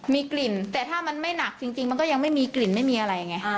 มีกลิ่นแต่ถ้ามันไม่หนักจริงมันก็ยังไม่มีกลิ่นไม่มีอะไรไง